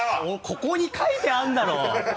ここに書いてあるだろう！